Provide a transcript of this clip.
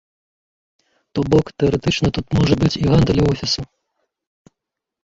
То бок, тэарэтычна тут можа быць і гандаль, і офісы.